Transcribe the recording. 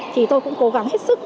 thì tôi cũng cố gắng hết sức